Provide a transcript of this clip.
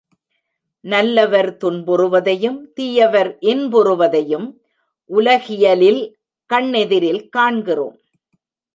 நல்லவர் துன்புறுவதையும் தீயவர் இன்புறுவதையும் உலகியலில் கண்ணெதிரில் காண்கிறோம்.